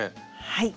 はい。